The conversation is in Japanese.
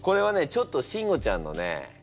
ちょっとシンゴちゃんのね